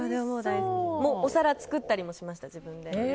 お皿を作ったりもしました自分で。